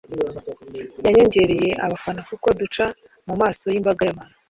yanyongereye abafana kuko duca mu maso y’imbaga y’abantu